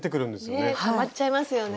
たまっちゃいますよね。